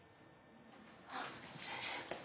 あっ先生。